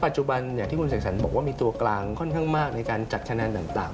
อย่างที่คุณเสกสรรบอกว่ามีตัวกลางค่อนข้างมากในการจัดคะแนนต่าง